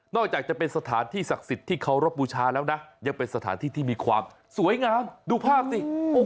จากจะเป็นสถานที่ศักดิ์สิทธิ์ที่เคารพบูชาแล้วนะยังเป็นสถานที่ที่มีความสวยงามดูภาพสิ